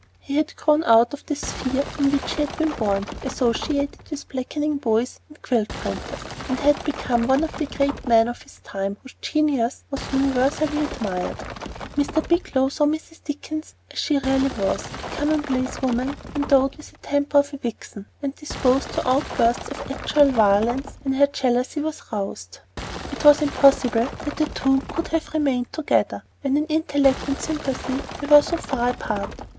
He had grown out of the sphere in which he had been born, "associated with blacking boys and quilt printers," and had become one of the great men of his time, whose genius was universally admired. Mr. Bigelow saw Mrs. Dickens as she really was a commonplace woman endowed with the temper of a vixen, and disposed to outbursts of actual violence when her jealousy was roused. It was impossible that the two could have remained together, when in intellect and sympathy they were so far apart.